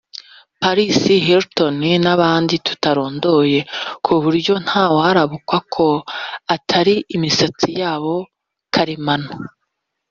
Palis Hilton n’abandi tutarondoye ku buryo nta warabukwa ko atari imisatsi yabo karemano